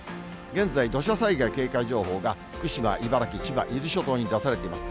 現在、土砂災害警戒情報が、福島、茨城、千葉、伊豆諸島に出されています。